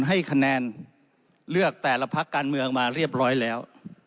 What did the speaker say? ให้คะแนนเลือกแต่ละพักการเมืองมาเรียบร้อยแล้ว